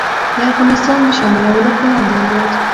د افغانستان د شاملولو پلان درلود.